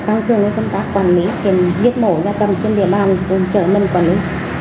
tăng cường với công tác quản lý kiểm chết mổ ra cầm trên địa bàn của chợ mân quản lý